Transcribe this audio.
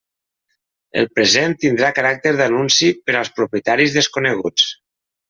El present tindrà caràcter d'anunci per als propietaris desconeguts.